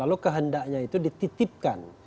lalu kehendaknya itu dititipkan